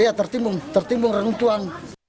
iya tertimbung tertimbung renung tuhan